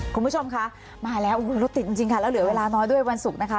คุณผู้ชมคะมาแล้วรถติดจริงค่ะแล้วเหลือเวลาน้อยด้วยวันศุกร์นะคะ